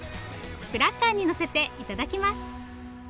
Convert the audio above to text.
クラッカーにのせて頂きます。